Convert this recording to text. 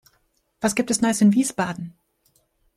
Was gibt es Neues in Wiesbaden?